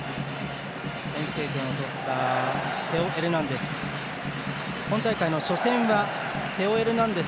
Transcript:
先制点を取ったテオ・エルナンデス。